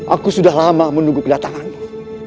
aku sudah lama menunggu kedatanganmu